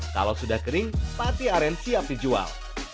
kalau sudah kering pati aren siap dijual